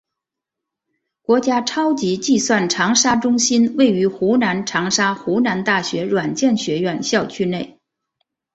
国家超级计算长沙中心位于湖南长沙湖南大学软件学院校区内。